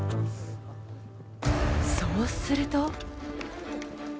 そうすると。